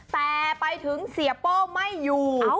แต่ไปถึงเสียโป้ไม่อยู่